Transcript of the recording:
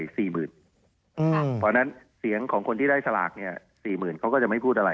เพราะฉะนั้นเสียงของคนที่ได้สลาก๔๐๐๐เขาก็จะไม่พูดอะไร